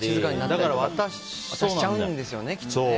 だから渡しちゃうんですよね。